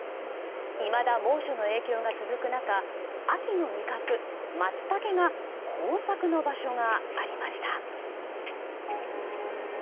いまだ猛暑の影響が続く中秋の味覚、マツタケが豊作の場所がありました。